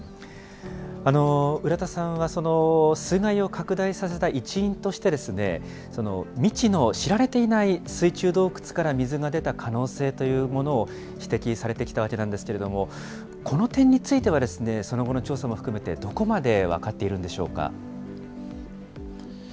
浦田さんは水害を拡大させた一因として、未知の知られていない水中洞窟から水が出た可能性というものを指摘されてきたわけなんですけれども、この点については、その後の調査も含めてどこまで分かっているんでしょうか。